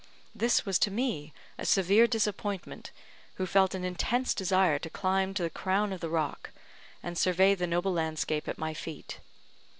This was to me a severe disappointment, who felt an intense desire to climb to the crown of the rock, and survey the noble landscape at my feet.